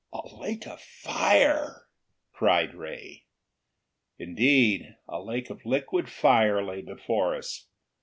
"A lake of fire!" cried Ray. Indeed, a lake of liquid fire lay before us.